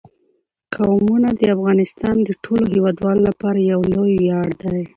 قومونه د افغانستان د ټولو هیوادوالو لپاره یو لوی ویاړ دی.